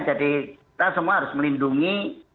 jadi kita semua harus melindungi